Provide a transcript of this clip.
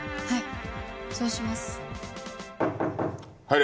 はい。